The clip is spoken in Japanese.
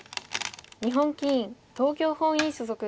日本棋院東京本院所属。